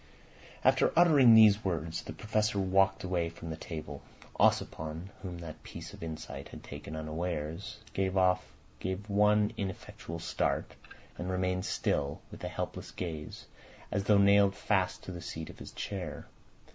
After uttering these words the Professor walked away from the table. Ossipon, whom that piece of insight had taken unawares, gave one ineffectual start, and remained still, with a helpless gaze, as though nailed fast to the seat of his chair.